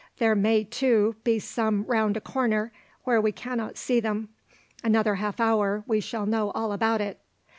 There may, too, be some round a corner, where we cannot see them. Another half hour we shall know all about it."